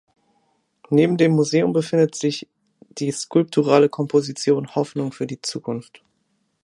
Neben dem Museum befindet sich die skulpturale Komposition „Hoffnung für die Zukunft“.